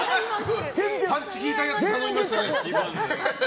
パンチ効いたやつ頼みましたね。